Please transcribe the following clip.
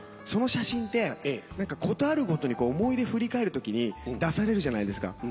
その写真ってことあるごとに思い出振り返るときに出されるじゃないですか。